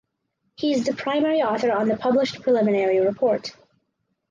He is the primary author on the published preliminary report.